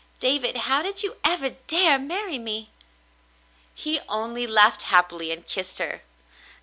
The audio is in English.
David, how did you ever dare marry me ? He only laughed happily and kissed her.